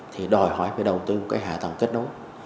thì đòi hỏi phải đầu tư cái hạ tầng kết nối